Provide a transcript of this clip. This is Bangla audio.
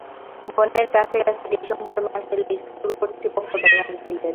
বনের গাছে গাছে ডিসেম্বর মাস এলেই স্কুল কর্তৃপক্ষ ব্যানার ঝুলিয়ে দেয়।